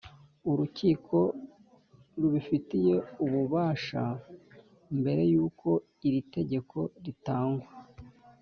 Urukiko rubifitiye ububasha mbere y’ uko iri itegeko ritangwa